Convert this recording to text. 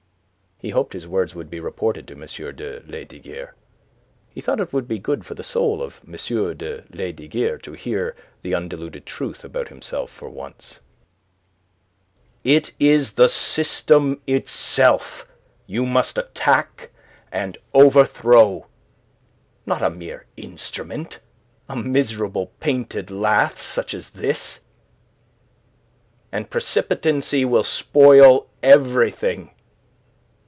He hoped his words would be reported to M. de Lesdiguieres. He thought it would be good for the soul of M. de Lesdiguieres to hear the undiluted truth about himself for once. "It is the system itself you must attack and overthrow; not a mere instrument a miserable painted lath such as this. And precipitancy will spoil everything.